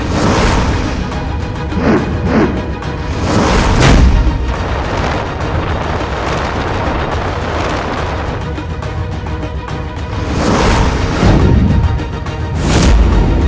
kau akan menang